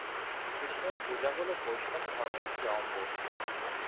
কৃষ্ণের পূজা হল বৈষ্ণব ধর্মের একটি অঙ্গ।